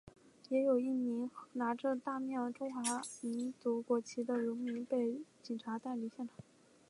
也有一名拿着大面中华民国国旗的荣民被警察带离现场。